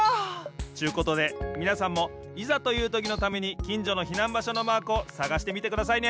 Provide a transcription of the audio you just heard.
ちゅうことでみなさんもいざというときのためにきんじょの避難場所のマークをさがしてみてくださいね。